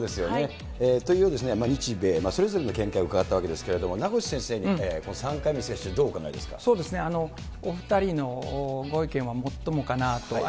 というように、日米それぞれの見解を伺ったわけですけれども、名越先生、この３回目の接種、そうですね、お２人のご意見はもっともかなと。